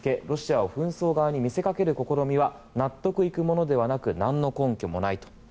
ロシアを紛争側に見せかける試みは納得いくものではなく何の根拠もない。